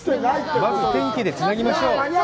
天気でつなぎましょう。